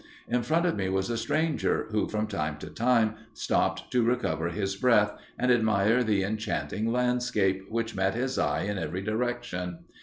In front of me was a stranger, who, from time to time, stopped to recover his breath, and admire the enchanting landscape, which met his eye in every direction.